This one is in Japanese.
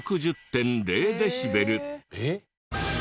えっ？